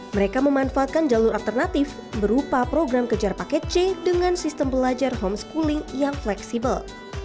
mereka memanfaatkan jalur alternatif berupa program kejar paket c dengan sistem belajar homeschooling yang fleksibel